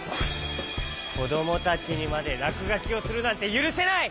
こどもたちにまでらくがきをするなんてゆるせない！